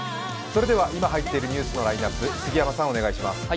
今入っているニュースのラインナップ、杉山さん、お願いします。